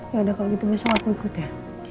ya udah kalau gitu masa gak mau ikut ya